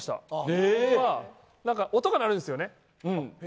音が鳴るんですよね。